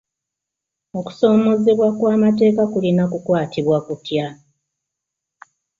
Okusoomoozebwa okw'amateeka kulina kukwatibwa kutya?